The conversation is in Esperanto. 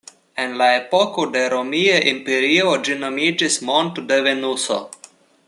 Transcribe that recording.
En la epoko de Romia Imperio ĝi nomiĝis Monto de Venuso.